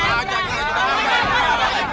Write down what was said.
jangan jangan jangan